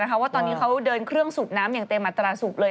เพราะว่าตอนนี้เขาเดินเครื่องสูบน้ำอย่างเต็มอัตราสุขเลย